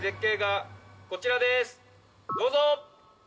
どうぞ。